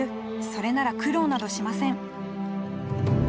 それなら苦労などしません。